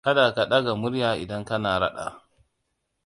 Kada ka ɗaga murya idan kana raɗa.